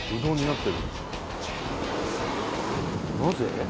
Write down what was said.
なぜ？